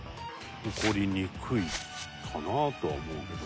起こりにくいかなとは思うけど。